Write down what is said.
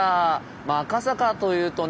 まあ赤坂というとね